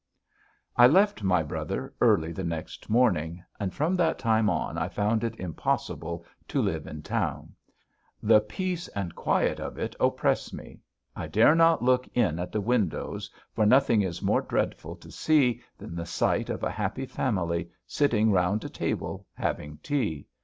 "I left my brother early the next morning, and from that time on I found it impossible to live in town. The peace and the quiet of it oppress me. I dare not look in at the windows, for nothing is more dreadful to see than the sight of a happy family, sitting round a table, having tea.